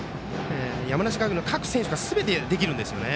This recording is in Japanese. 山梨学院の各選手がすべてできるんですよね。